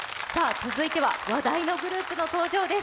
続いては話題のグループの登場です。